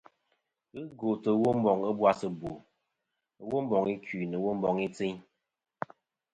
Ghɨ gwòtɨ Womboŋ ɨbwas ɨbwò, womboŋ ikui nɨ womboŋ i tsiyn.